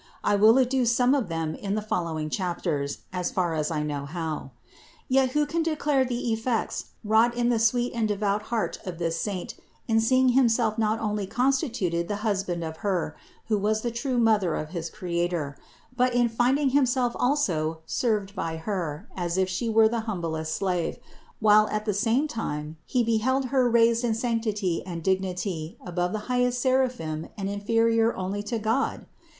I will adduce some of them in the fol lowing chapters, as far as I know how. Yet, who can declare the effects wrought in the sweet and devout heart of this saint in seeing himself not only constituted the husband of Her who was the true Mother of his Creator, but in rinding himself also served by Her as if She was the humblest slave, while at the same time he beheld Her raised in sanctity and dignity above the highest seraphim and inferior only to God?